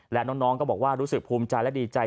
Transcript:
และน้องก็บอกว่ารู้สึกภูมิใจและดีใจ